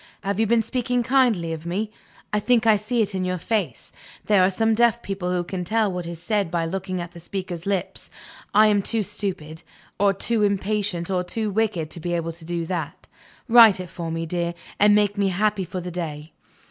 "Have you been speaking kindly of me? I think I see it in your face. There are some deaf people who can tell what is said by looking at the speaker's lips. I am too stupid, or too impatient, or too wicked to be able to do that. Write it for me, dear, and make me happy for the day."